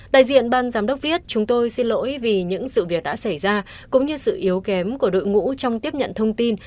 đại diện ban giám đốc viết chúng tôi xin lỗi vì những sự việc đã xảy ra cũng như sự yếu kém của đội ngũ trong tiếp nhận thông tin